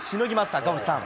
赤星さん。